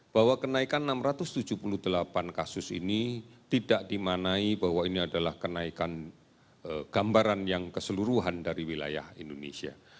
bahwa kenaikan enam ratus tujuh puluh delapan kasus ini tidak dimanai bahwa ini adalah kenaikan gambaran yang keseluruhan dari wilayah indonesia